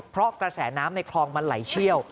เพราะกระแสน้ำในคลองมันไหลเชี่ยว